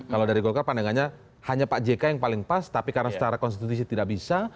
kalau dari golkar pandangannya hanya pak jk yang paling pas tapi karena secara konstitusi tidak bisa